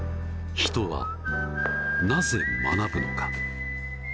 人はなぜ学ぶのか。